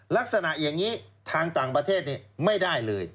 ลักษณะอย่างนี้ทางต่างประเทศไม่ได้เลย